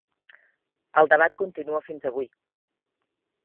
El debat continua fins avui.